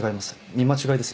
見間違いですよ。